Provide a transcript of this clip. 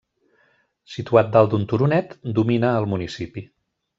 Situat dalt d'un turonet, domina el municipi.